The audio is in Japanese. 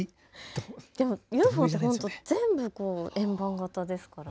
でもＵＦＯって全部円盤型ですからね。